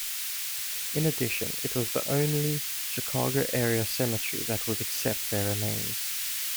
In addition, it was the only Chicago-area cemetery that would accept their remains.